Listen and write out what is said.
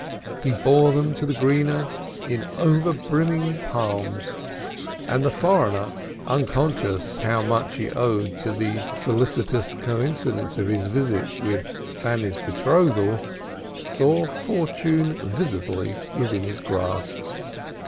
He bore them to the "greener" in over brimming palms and the foreigner, unconscious how much he owed to the felicitous coincidence of his visit with Fanny's betrothal, saw fortune visibly within his grasp.